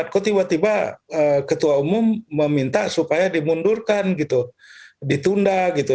kok tiba tiba ketua umum meminta supaya dimundurkan gitu ditunda gitu